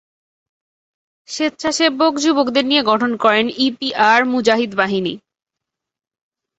স্বেচ্ছাসেবক যুবকদের নিয়ে গঠন করেন ইপিআর মুজাহিদ বাহিনী।